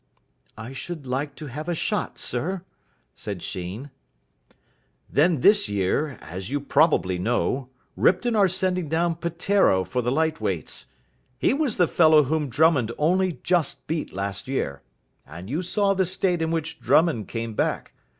"I should like to have a shot, sir," said Sheen. "Then this year, as you probably know, Ripton are sending down Peteiro for the Light Weights. He was the fellow whom Drummond only just beat last year. And you saw the state in which Drummond came back.